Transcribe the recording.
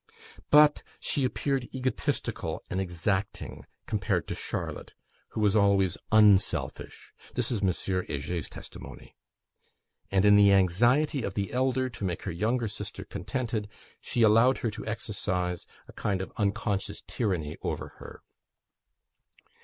But she appeared egotistical and exacting compared to Charlotte, who was always unselfish (this is M. Heger's testimony); and in the anxiety of the elder to make her younger sister contented she allowed her to exercise a kind of unconscious tyranny over her.